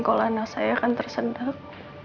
kalau anak saya akan tersedak